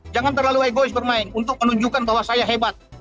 jangan terlalu egois bermain untuk menunjukkan bahwa saya hebat